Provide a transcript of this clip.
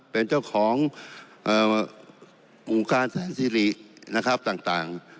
เป็นเจ้าขององค์การแสนสิรินะครับต่าง